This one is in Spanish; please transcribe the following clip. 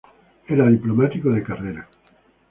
Era diplomático de carrera.